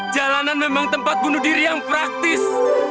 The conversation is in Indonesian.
jalanan memang tempat bunuh diri yang praktis